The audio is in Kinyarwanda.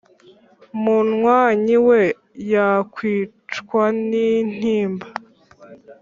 munywanyi we yakicwa nintimba"